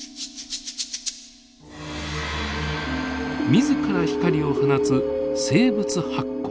自ら光を放つ生物発光。